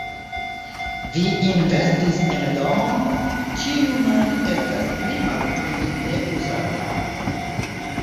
Vi investis en domon, kiu nun estas pli malpli neuzata.